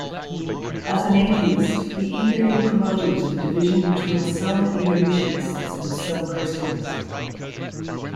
As an atheist he eagerly promoted the division between some evolutionists and some Christians.